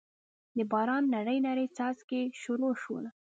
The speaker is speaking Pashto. دباران نري نري څاڅکي شورو شول